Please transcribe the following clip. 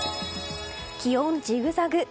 気温ジグザグ。